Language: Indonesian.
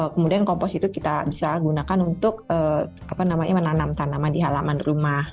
kemudian kompos itu kita bisa gunakan untuk menanam tanaman di halaman rumah